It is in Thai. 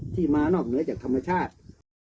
ที่มานอกเหนือจากธรรมชาติ